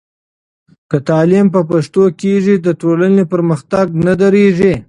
که تعلیم په پښتو کېږي، د ټولنې پرمختګ نه درېږي.